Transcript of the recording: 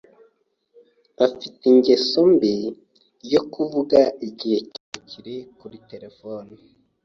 Afite ingeso mbi yo kuvuga igihe kirekire kuri terefone.